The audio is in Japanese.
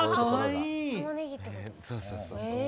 そうそうそうそう。